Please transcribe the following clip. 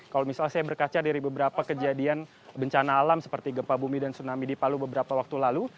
kalau misalnya saya berkaca dari beberapa kejadian bencana alam seperti gempa bumi dan tsunami di palu beberapa waktu lalu